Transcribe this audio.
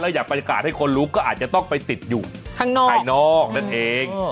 อยากบรรยากาศให้คนรู้ก็อาจจะต้องไปติดอยู่ข้างนอกภายนอกนั่นเอง